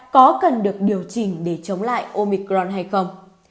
có cần được điều chỉnh để chống lại omicron hay không